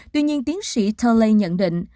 tuy nhiên tiến sĩ tulley nhận định